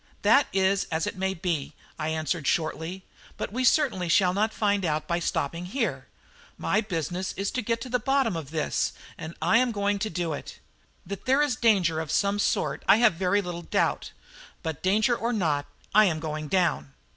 "That is as it may be," I answered shortly; "but we certainly shall not find out by stopping here. My business is to get to the bottom of this, and I am going to do it. That there is danger of some sort, I have very little doubt; but danger or not, I am going down."